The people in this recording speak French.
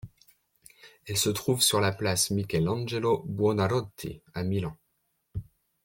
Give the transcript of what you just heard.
Elle se trouve sur la place Michelangelo Buonarotti à Milan.